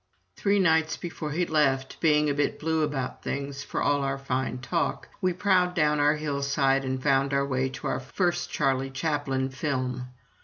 Three nights before he left, being a bit blue about things, for all our fine talk, we prowled down our hillside and found our way to our first Charlie Chaplin film.